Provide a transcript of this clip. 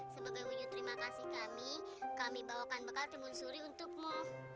sebagai wujud terima kasih kami kami bawakan bekal timun suri untukmu